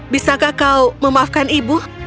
bisakah kau memaafkan ibu